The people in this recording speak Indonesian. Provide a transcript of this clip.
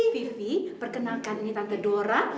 vivi perkenalkan ini tante dora